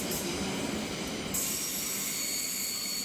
Biscuit সংস্করণটি এখন standard Boost বার।